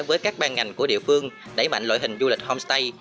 với các ban ngành của địa phương đẩy mạnh loại hình du lịch homestay